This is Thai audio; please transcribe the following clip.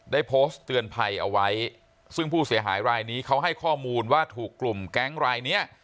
ได้โพสต์เตือนภัยเอาไว้ซึ่งผู้เสียหายรายนี้เขาให้ข้อมูลว่าถูกกลุ่มแก๊งรายเนี้ย